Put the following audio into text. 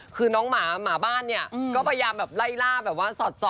คือน้องหมาหมาบ้านเนี่ยก็พยายามแบบไล่ล่าแบบว่าสอดส่อง